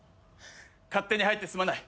勝手に入ってすまない。